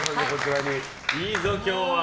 いいぞ、今日は。